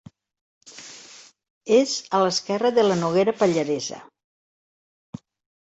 És a l'esquerra de la Noguera Pallaresa.